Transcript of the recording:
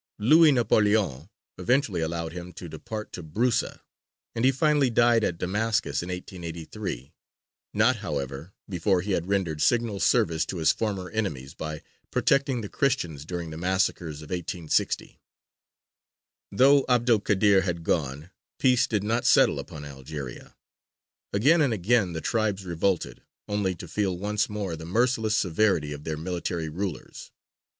Louis Napoleon eventually allowed him to depart to Brusa, and he finally died at Damascus in 1883, not, however, before he had rendered signal service to his former enemies by protecting the Christians during the massacres of 1860. Though 'Abd el Kādir had gone, peace did not settle upon Algeria. Again and again the tribes revolted, only to feel once more the merciless severity of their military rulers.